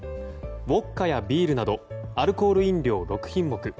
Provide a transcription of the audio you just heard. ウォッカやビールなどアルコール飲料６品目